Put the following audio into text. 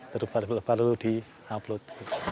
terus baru di upload